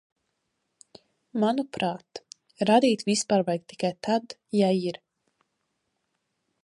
Manuprāt, radīt vispār vajag tikai tad, ja ir.